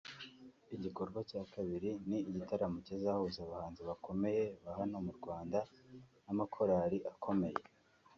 Igikorwa cya kabiri ni igitaramo kizahuza abahanzi bakomeye ba hano mu Rwanda n’amakorali akomeye